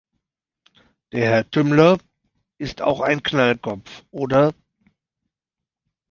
Der Herr Tümmler ist auch ein Knallkopf, oder?